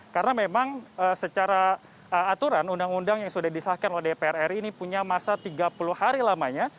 karena memang secara aturan undang undang yang sudah disahkan oleh dpr ri ini punya masa tiga puluh hari lamanya